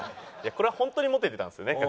これはホントにモテてたんですよね